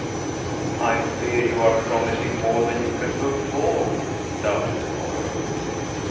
"I fear you are promising more than you can perform," doubted the boy.